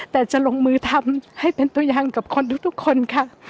แต่จะลงมือทำให้เป็นตัวอย่างกับคนทุกคนค่ะ